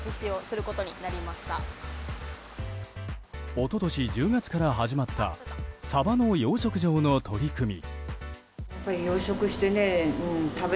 一昨年１０月から始まったサバの養殖場の取り組み。